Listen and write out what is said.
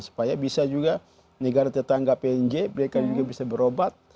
supaya bisa juga negara tetangga pnj mereka juga bisa berobat